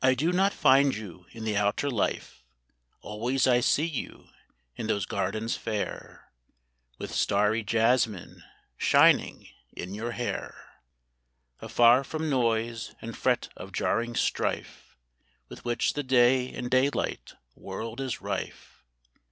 DO not find you in the outer life ; Always I see you in those gardens fair, With starry jasmine shining in your hair, Afar from noise and fret of jarring strife With which the day and daylight world is rife.